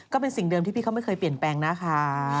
ก็เป็นสิ่งเดิมที่พี่เขาไม่เคยเปลี่ยนแปลงนะคะ